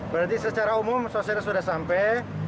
berarti secara umum sosial sudah sampai